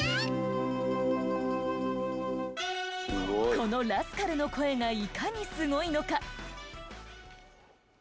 このラスカルの声がいかにスゴいのか。